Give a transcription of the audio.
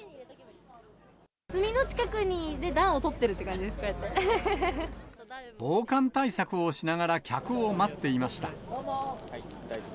炭の近くにいて暖をとってる防寒対策をしながら、客を待っていました。